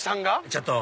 ちょっと！